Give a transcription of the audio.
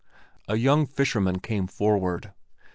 A young fisherman came forward.